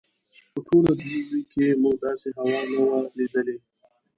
په ټوله دوبي کې مو داسې هوا نه وه لیدلې.